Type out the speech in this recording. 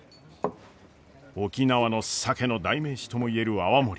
沖縄の酒の代名詞とも言える泡盛。